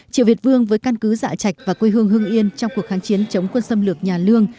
triệu việt vương với căn cứ dạ chạch và quê hương hưng yên trong cuộc kháng chiến chống quân xâm lược nhà lương